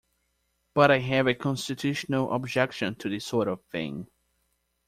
But I have a constitutional objection to this sort of thing.